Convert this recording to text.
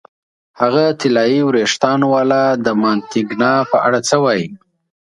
هغه طلايي وېښتانو والا، د مانتیګنا په اړه څه وایې؟